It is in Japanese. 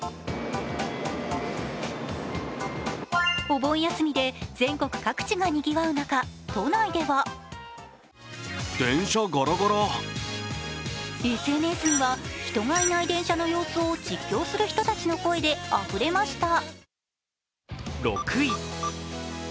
お盆休みで全国各地がにぎわう中、都内ではＳＮＳでは人がいない電車の様子を実況する人たちの声で、あふれました。